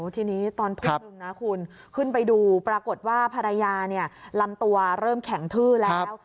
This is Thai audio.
ทีนี้ตอนทุ่มหนึ่งนะคุณขึ้นไปดูปรากฏว่าภรรยาลำตัวเริ่มแข็งทื้อแล้ว